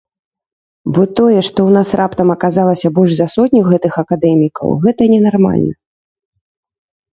Бо тое, што ў нас раптам аказалася больш за сотню гэтых акадэмікаў, гэта ненармальна.